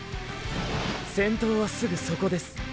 先頭はすぐそこです。